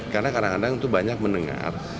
karena kadang kadang itu banyak mendengar